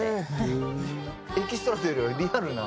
エキストラというよりはリアルな。